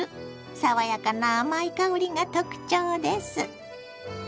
爽やかな甘い香りが特徴です。